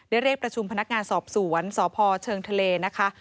เรียกประชุมพนักงานสอบสวนสพเชิงทะเลนะคะ